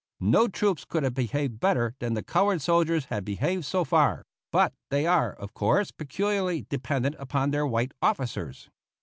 No troops could have behaved better than the colored soldiers had behaved so far; but they are, of course, peculiarly dependent upon their white officers.